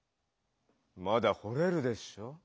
まだほれるでしょ？